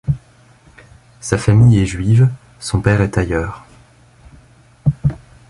Sa famille est juive, son père est tailleur.